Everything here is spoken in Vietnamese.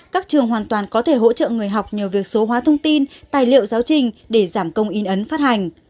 các trường hoàn toàn có thể hỗ trợ người học nhờ việc số hóa thông tin tài liệu giáo trình để giảm công in ấn phát hành